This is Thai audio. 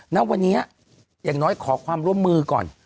ณวันนี้อย่างน้อยขอความร่วมมือก่อน